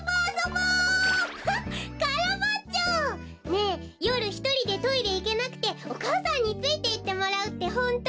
ねえよるひとりでトイレいけなくておかあさんについていってもらうってホント？